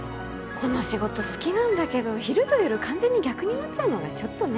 この仕事好きなんだけど昼と夜完全に逆になっちゃうのがちょっとね。